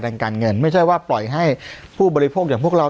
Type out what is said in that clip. การเงินไม่ใช่ว่าปล่อยให้ผู้บริโภคอย่างพวกเรา